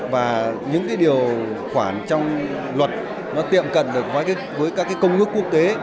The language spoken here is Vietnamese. và những điều khoản trong luật nó tiệm cận được với các công ước quốc tế